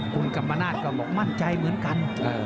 คุณกรรมนาศก็บอกมั่นใจเหมือนกัน